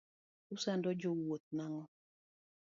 Usando jo wuoth nang'o.